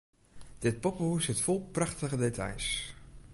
Dit poppehûs sit fol prachtige details.